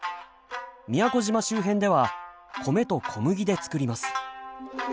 宮古島周辺では米と小麦で作ります。